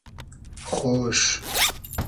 خۉش